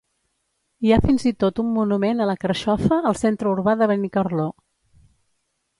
Hi ha fins i tot un monument a la carxofa al centre urbà de Benicarló.